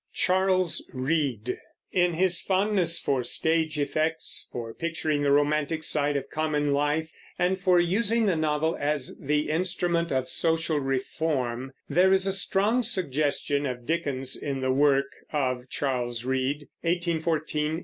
CHARLES READE. In his fondness for stage effects, for picturing the romantic side of common life, and for using the novel as the instrument of social reform, there is a strong suggestion of Dickens in the work of Charles Reade (1814 1884).